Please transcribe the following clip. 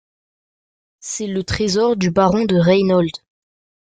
C'est le trésor du baron Reinhold.